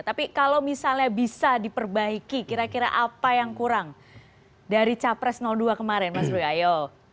tapi kalau misalnya bisa diperbaiki kira kira apa yang kurang dari capres dua kemarin mas roy ayo